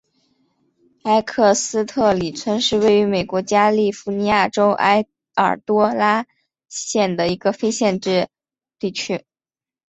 埃克斯特里村是位于美国加利福尼亚州埃尔多拉多县的一个非建制地区。